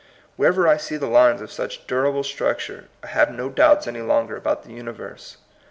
Wherever I see the lines of such durable structure, I have no doubts any longer about the uni verse.